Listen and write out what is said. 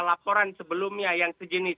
laporan sebelumnya yang sejenis